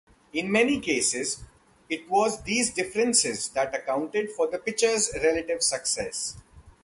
In many cases, it was these differences that accounted for the pitchers' relative success.